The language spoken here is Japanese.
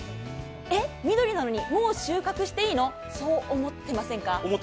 えっ、緑なのにもう収穫していいの？って思ってませんか？